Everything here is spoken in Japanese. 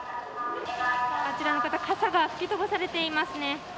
あちらの方、傘が吹き飛ばされていますね。